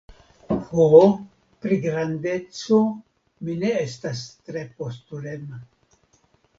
Ho, pri grandeco, mi ne estas tre postulema.